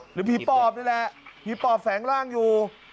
หรือผีปอบนี่แหละผีปอบแฝงร่างอยู่